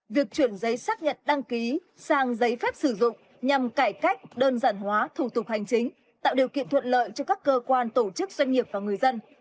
việc chuyển giấy xác nhận đăng ký sang giấy phép sử dụng nhằm cải cách đơn giản hóa thủ tục hành chính tạo điều kiện thuận lợi cho các cơ quan tổ chức doanh nghiệp và người dân